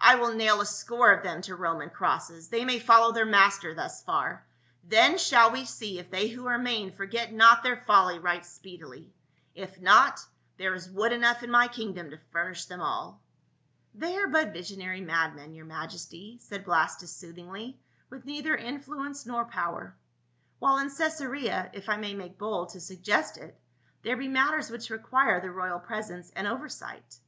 I will nail a score of them to Roman crosses — they may follow their master thus far ; then shall we see if they who remain forget not their folly right speedily, if not, there is wood enough in my kingdom to furnish them all." " They are but visionary madmen, your majesty," said Blastus soothingly, " with neither influence nor power ; while in Caesarea — if I may make bold to suggest it — there be matters which require the royal presence and oversight."